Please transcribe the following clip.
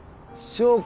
証拠。